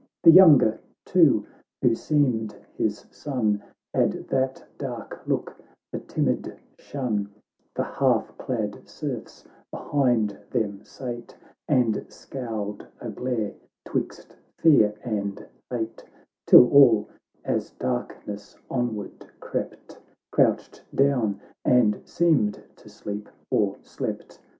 The younger, too, who seemed his son, Had that dark look, the timid shun ; The half clad serfs behind them sate, And scowled a glare 'twixt fear and hate — Till all, as darkness onward crept, Couched down and seemed to sleep, or slept.